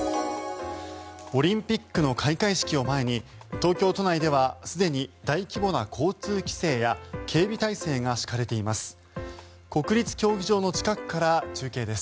オリンピックの開会式を前に東京都内ではすでに大規模な交通規制や警備態勢が敷かれています。